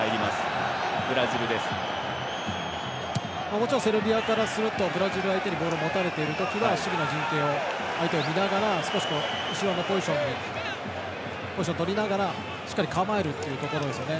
もちろんセルビアからするとブラジル相手にボールを持たれている時は守備の陣形を相手を見ながら少し、後ろのポジションとりながらしっかり構えるというところですね。